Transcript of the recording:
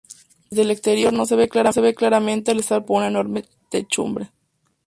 Desde el exterior no se ve claramente al estar protegida por una enorme techumbre.